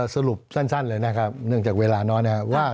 สรุปสั้นเลยนะครับเนื่องจากเวลาน้อยนะครับว่า